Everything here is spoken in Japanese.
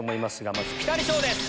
まずピタリ賞です！